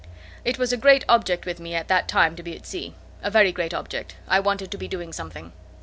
It was a great object with me at that time to be at sea; a very great object, I wanted to be doing something."